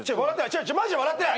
違うマジで笑ってない。